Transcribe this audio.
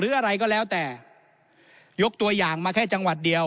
อะไรก็แล้วแต่ยกตัวอย่างมาแค่จังหวัดเดียว